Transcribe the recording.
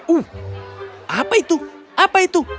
uh apa itu apa itu